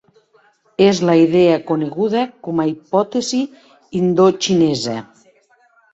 És la idea coneguda com a hipòtesi indoxinesa.